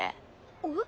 えっ？